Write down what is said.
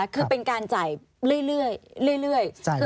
คือเป็นการจ่ายเรื่อย